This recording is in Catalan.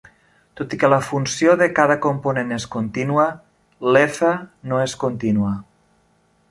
Tot i que la funció de cada component és contínua, l'"f" no és contínua.